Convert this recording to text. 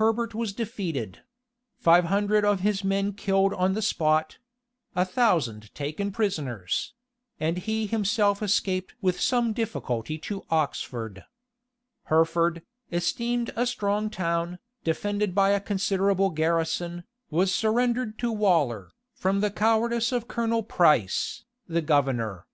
Herbert was defeated; five hundred of his men killed on the spot; a thousand taken prisoners; and he himself escaped with some difficulty to Oxford. Hereford, esteemed a strong town, defended by a considerable garrison, was surrendered to Waller, from the cowardice of Colonel Price, the governor.